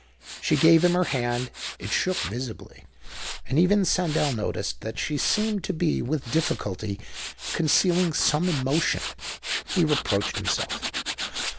She gave him her hand. It shook visibly, and even Sandell noticed that she seemed to be with difficulty concealing some emotion. He reproached himself.